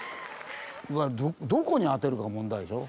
どこに当てるかが問題でしょ？